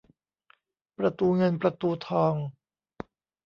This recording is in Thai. ประตูเงินประตูทอง